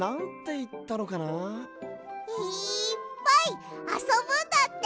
いっぱいあそぶんだって！